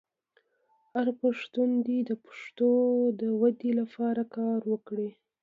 هر پښتون دې د پښتو د ودې لپاره کار وکړي.